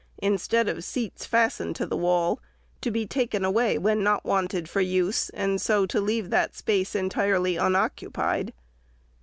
454 EEPORT OP THE SECRETARY — instead of seats fastened to the wall, — to be taken away, when not wanted for use, and so to leave that space entirely unoccupied.